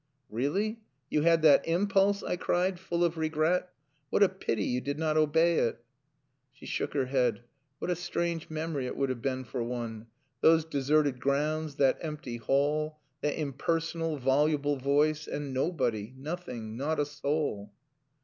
"Really? You had that impulse?" I cried, full of regret. "What a pity you did not obey it." She shook her head. "What a strange memory it would have been for one. Those deserted grounds, that empty hall, that impersonal, voluble voice, and nobody, nothing, not a soul."